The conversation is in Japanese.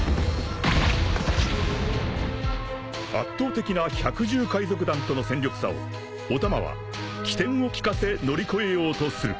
［圧倒的な百獣海賊団との戦力差をお玉は機転を利かせ乗り越えようとする］